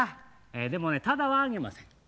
でもねただはあげません。